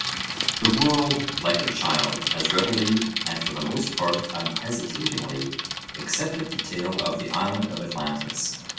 The world, like a child, has readily, and for the most part unhesitatingly, accepted the tale of the Island of Atlantis.